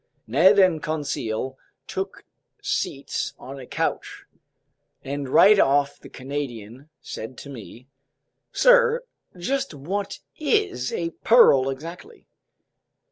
Ned and Conseil took seats on a couch, and right off the Canadian said to me: "Sir, just what is a pearl exactly?"